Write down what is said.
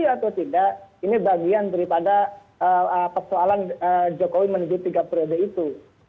atau tidak ini bagian daripada persoalan jokowi menuju tiga periode itu